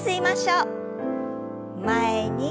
前に。